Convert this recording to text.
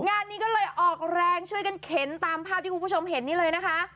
งานนี้ก็เลยออกแรงช่วยกันเข็นตามภาพที่คุณผู้ชมเห็นนี่เลยนะคะ